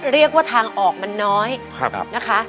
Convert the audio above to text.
เรียกว่าทางออกมันน้อยนะคะ